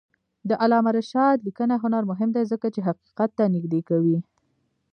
د علامه رشاد لیکنی هنر مهم دی ځکه چې حقیقت ته نږدې کوي.